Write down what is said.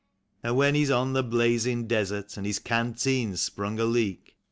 TTlien he's on the blazin' desert, an' his canteen's sprung a leak.